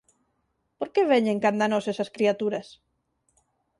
Por que veñen canda nós esas criaturas?”